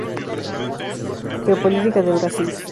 Geopolítica del Brasil.